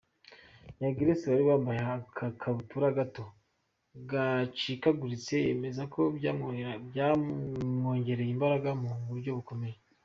Young Grace wari wambaye agakabutura gato gacikaguritse yemeza ko byamwongereye imbaraga mu buryo bukomeye.